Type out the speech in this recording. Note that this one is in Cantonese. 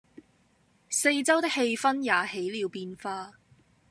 四周的氣氛也起了變化